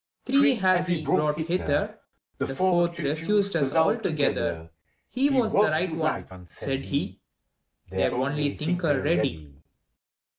Three have we brought hither, The fourth refused us altogether: He was the right one, said he, — Their only thinker ready.